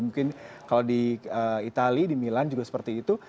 mungkin kalau di itali di milan juga seperti itu